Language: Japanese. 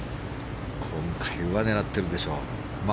今回は狙ってるでしょう。